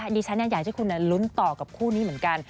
ดิฉันอยากให้คุณลุ้นต่อกับคู่นี้เหมือนกัน